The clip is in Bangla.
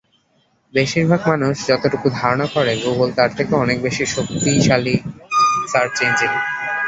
বেশির ভাগ মানুষ যতটুকু ধারণা করে, গুগল তার থেকেও অনেক শক্তিশালী সার্চ ইঞ্জিন।